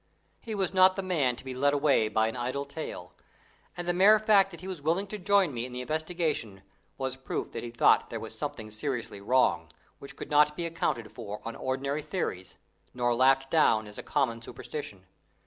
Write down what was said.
He was not the man to be led away by an idle tale, and the mere fact that he was willing to join me in the investigation was proof that he thought there was something seriously wrong, which could not be accounted for on ordinary theories, nor laughed down as a common superstition.